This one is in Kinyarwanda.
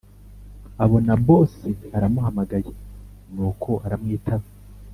abona boss aramuhamagaye nuko aramwitaba